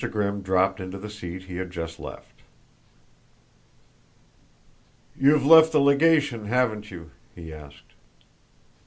Grimm dropped into the seat he had just left. "You've left the legation, haven't you?" he asked.